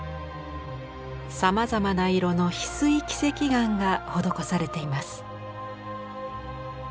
さまざまな色のヒスイ輝石岩が施されています。